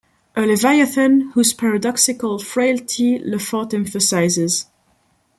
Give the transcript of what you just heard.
A Leviathan whose paradoxical frailty Lefort emphasises.